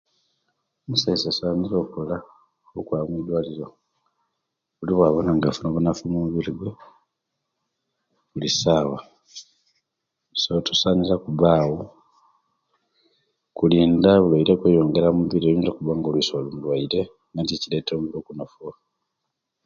Omusaiza asanira okwaba mudwaliro buli wawona nga afuna obunafu omubiri gwe bulisawa so tosanira okuba awo kulinda obulwaire okweyogerera omubiri oluisi oyinza okuba oli muluwaire nikyo ekireta